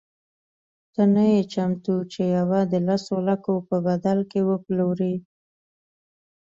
ته نه یې چمتو چې یوه د لسو لکو په بدل کې وپلورې.